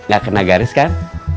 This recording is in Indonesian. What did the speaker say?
gak kena garis kan